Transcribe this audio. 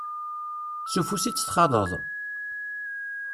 S ufus i t-txaḍeḍ?